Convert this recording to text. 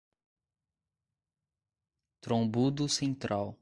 Trombudo Central